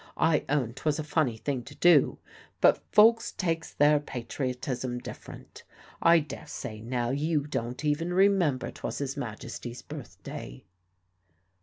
I own 'twas a funny thing to do, but folks takes their patriotism different. I daresay, now, you didn't even remember 'twas His Majesty's birthday."